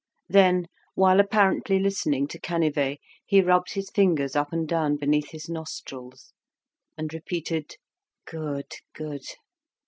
Then, while apparently listening to Canivet, he rubbed his fingers up and down beneath his nostrils, and repeated "Good! good!"